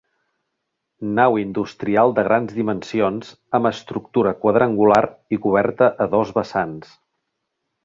Nau industrial de grans dimensions amb estructura quadrangular i coberta a dos vessants.